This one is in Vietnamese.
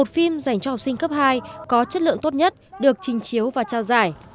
một phim dành cho học sinh cấp hai có chất lượng tốt nhất được trình chiếu và trao giải